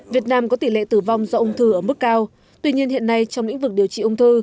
việt nam có tỷ lệ tử vong do ung thư ở mức cao tuy nhiên hiện nay trong lĩnh vực điều trị ung thư